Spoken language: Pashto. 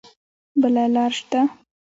بله لار شته؟